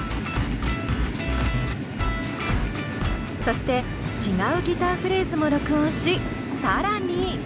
そして違うギターフレーズも録音し更に。